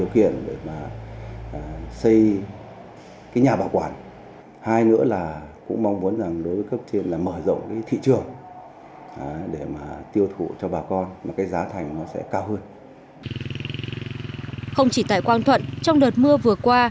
không chỉ tại quang thuận trong đợt mưa vừa qua